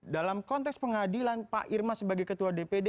dalam konteks pengadilan pak irma sebagai ketua dpd